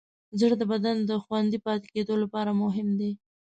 زړه د بدن د خوندي پاتې کېدو لپاره مهم دی.